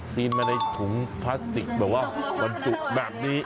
มาในถุงพลาสติกแบบว่าบรรจุแบบนี้